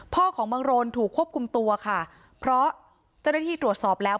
ของบังโรนถูกควบคุมตัวค่ะเพราะเจ้าหน้าที่ตรวจสอบแล้ว